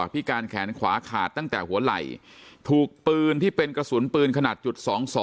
พิการแขนขวาขาดตั้งแต่หัวไหล่ถูกปืนที่เป็นกระสุนปืนขนาดจุด๒๒